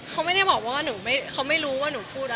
เขาไม่ได้บอกว่าเขาไม่รู้ว่าหนูพูดอะไร